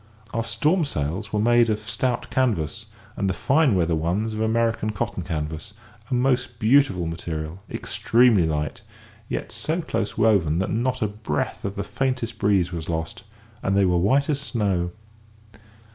Our storm sails were made of stout canvas, and the fine weather ones of American cotton canvas, a most beautiful material, extremely light, yet so close woven that not a breath of the faintest breeze was lost, and they were white as snow.